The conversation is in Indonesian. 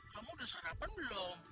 kamu udah sarapan belum